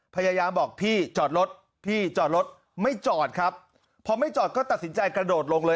พยายามบอกพี่จอดรถพี่จอดรถไม่จอดครับพอไม่จอดก็ตัดสินใจกระโดดลงเลย